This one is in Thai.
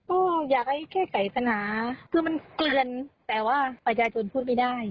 ก็อยากให้แค่ไก่สนาคือมันเกลือนแต่ว่าประชาชนพูดไม่ได้